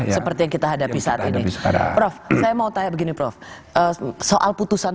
seperti yang kita hadapi saat ini prof saya mau tanya begini prof soal putusan